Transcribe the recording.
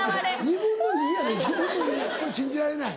２分の２やで２分の２。信じられない？